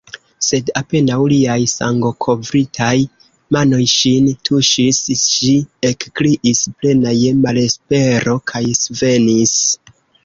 Sed apenaŭ liaj sangokovritaj manoj ŝin tuŝis, ŝi ekkriis, plena je malespero, kaj svenis.